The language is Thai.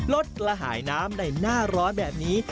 กระหายน้ำในหน้าร้อนแบบนี้